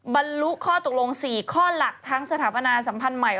บรรลุข้อตกลง๔ข้อหลักทั้งสถาปนาสัมพันธ์ใหม่